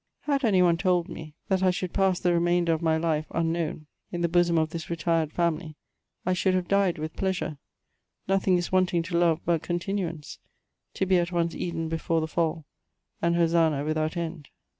Had any one told me, that I should pass the remainder of my life, unknown, in the bosom of this retired family, I should have died with pleasure : nothing is wanting to love but con* tinuance, to be at once Eden before the fall, and Hosanna with out end.